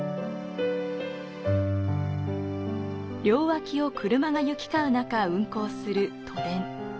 両脇を車が行き交うなか運行する都電。